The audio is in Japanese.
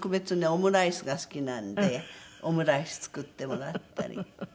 オムライスが好きなんでオムライス作ってもらったりうん。